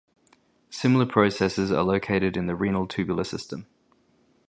Similar processes are located in the renal tubular system.